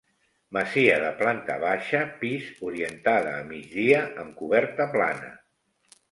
Masia de planta baixa, pis orientada a migdia amb coberta plana.